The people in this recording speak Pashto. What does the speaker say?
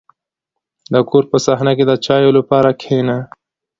• د کور په صحنه کې د چایو لپاره کښېنه.